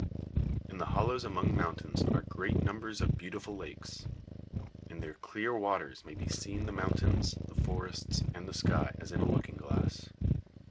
In the hollows among mountains are great numbers of beautiful lakes. In their clear waters may be seen the mountains, the forests, and the sky, as in a looking glass.